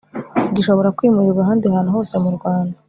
gishobora kwimurirwa ahandi hantu hose mu rwanda